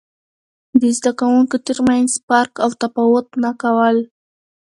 د زده کوونکو ترمنځ فرق او تفاوت نه کول.